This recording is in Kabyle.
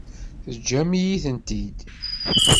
Teǧǧam-iyi-ten-id.